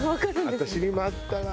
私にもあったわ。